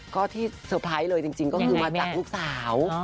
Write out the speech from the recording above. ก็ที่เซอร์ไพรส์เลยจริงก็คือมาจากลูกสาว